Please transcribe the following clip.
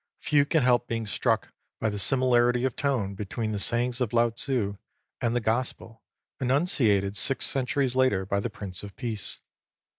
Few can help being struck by the similarity of tone between the sayings of Lao Tzu and the Gospel enunciated six centuries later by the Prince of Peace.